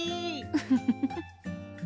フフフフ。